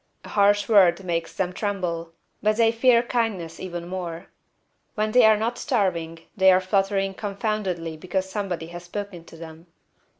A harsh word makes them tremble, but they fear kindness even more. When they are not starving they are fluttering confoundedly because somebody has spoken to them.